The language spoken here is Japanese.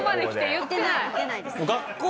言ってないです。